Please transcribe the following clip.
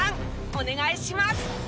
お願いします！